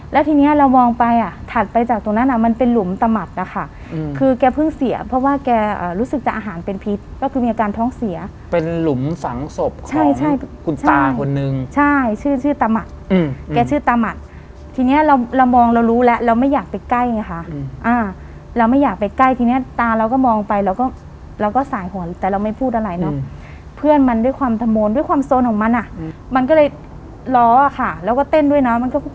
แล้วทีเนี่ยเรามองไปอะถัดไปจากตรงนั้นอะมันเป็นหลุมตะหมัดอะค่ะคือแกเพิ่งเสียเพราะว่าแกรู้สึกจะอาหารเป็นพิษก็คือมีอาการท้องเสียเป็นหลุมฝังศพของคุณตาคนนึงใช่ใช่ชื่อตะหมัดแกชื่อตะหมัดทีเนี่ยเรามองเรารู้แล้วเราไม่อยากไปใกล้ไงค่ะเราไม่อยากไปใกล้ทีเนี่ยตาเราก็มองไปเราก็สายห่วงแต่เราไม่พูดอะไรเน